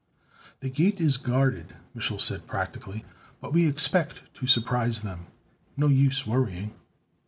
"The Gate is guarded," Mich'l said practically, "but we expect to surprise them. No use worrying."